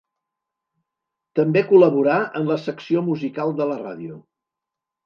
També col·laborà en la secció musical de la ràdio.